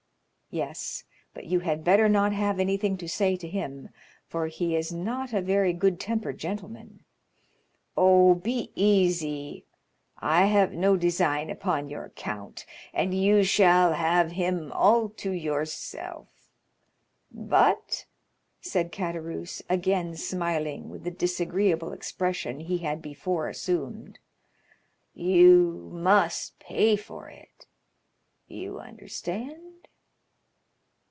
"Yes; but you had better not have anything to say to him, for he is not a very good tempered gentleman." "Oh, be easy! I have no design upon your count, and you shall have him all to yourself. But," said Caderousse, again smiling with the disagreeable expression he had before assumed, "you must pay for it—you understand?"